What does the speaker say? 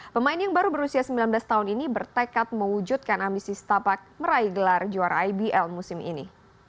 pemain yang baru berusia sembilan belas tahun ini bertekad mewujudkan ambisi setapak meraih gelar juara ibl musim ini